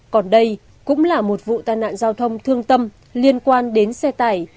còn đây cũng là một vụ tai nạn giao thông thương tâm liên quan đến xe tải